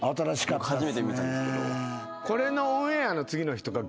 初めて見たんですけど。